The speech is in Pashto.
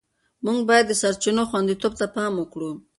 موږ باید د سرچینو خوندیتوب ته پام وکړو.